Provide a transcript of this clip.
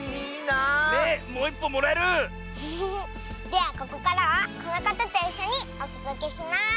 ではここからはこのかたといっしょにおとどけします。